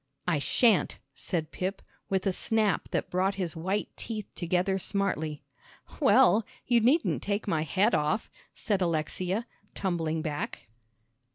"I shan't," said Pip, with a snap that brought his white teeth together smartly. "Well, you needn't take my head off," said Alexia, tumbling back.